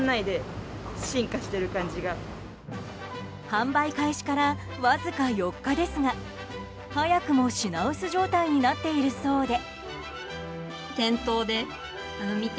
販売開始からわずか４日ですが早くも品薄状態になっているそうで。